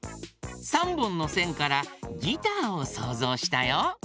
３ぼんのせんからギターをそうぞうしたよ。